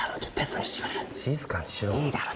いいだろ。